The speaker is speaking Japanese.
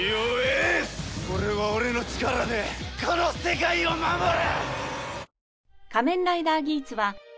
俺は俺の力でこの世界を守る！